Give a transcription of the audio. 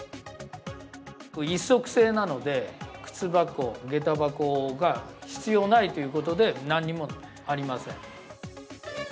一足制なので、靴箱、げた箱が必要ないということで、なんにもありません。